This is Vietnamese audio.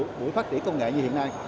của phát triển công nghệ như hiện nay